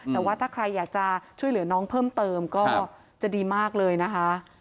แต่ว่าถ้าใครอยากจะช่วยเหลือน้องเพิ่มเติมก็จะดีมากเลยนะคะ